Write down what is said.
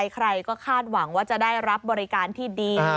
ใครก็คาดหวังว่าจะได้รับบริการที่ดี